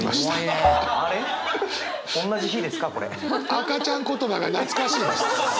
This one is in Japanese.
赤ちゃん言葉が懐かしいです。